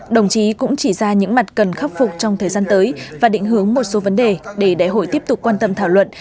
đồng chí cũng chỉ ra những mặt cần khắc phục trong thời gian tới và định hướng một số vấn đề để đại hội tiếp tục quan tâm thảo luận